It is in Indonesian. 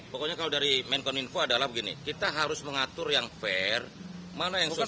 pokoknya kalau dari menkom info adalah begini kita harus mengatur yang fair mana yang sudah